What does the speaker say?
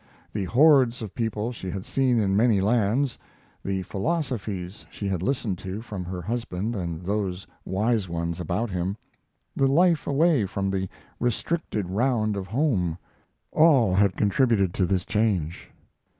The hordes of people she had seen in many lands, the philosophies she had listened to from her husband and those wise ones about him, the life away from the restricted round of home, all had contributed to this change.